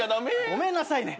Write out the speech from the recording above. ごめんなさいね